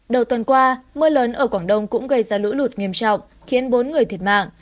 đầu tuần qua mưa lớn ở quảng đông cũng gây ra lũ lụt nghiêm trọng khiến bốn người thiệt mạng